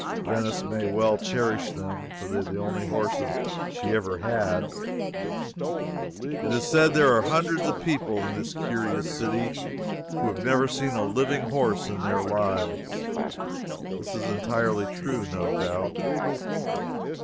Venice may well cherish them, for they are the only horses she ever had. It is said there are hundreds of people in this curious city who never have seen a living horse in their lives. It is entirely true, no doubt.